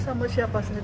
sama siapa saja dia